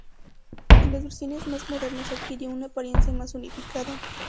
En las versiones más modernas adquirió una apariencia más unificada.